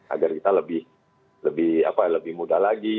agar kita lebih mudah lagi